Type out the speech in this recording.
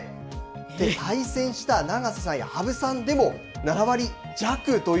で、対戦した永瀬さんや羽生さんでも７割弱という。